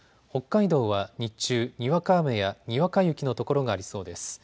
北海道は日中、にわか雨やにわか雪の所がありそうです。